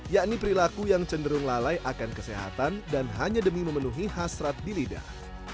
yakni perilaku yang cenderung lalai akan kesehatan dan hanya demi memenuhi hasrat di lidah